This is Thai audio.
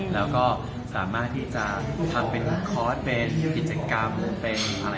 แล้วก็สามารถที่จะทำเป็นคอร์สเป็นกิจกรรมหรือเป็นอะไร